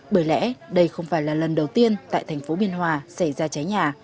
bởi lẽ đây không phải là lần đầu tiên tại thành phố biên hòa xảy ra cháy nhà